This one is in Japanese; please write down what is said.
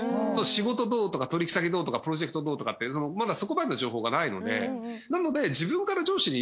「仕事どう？」とか「取引先どう？」とか「プロジェクトどう？」とかってまだそこまでの情報がないのでなので。